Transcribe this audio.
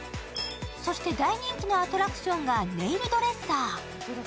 そして、大人気のアトラクションがネイルドレッサー。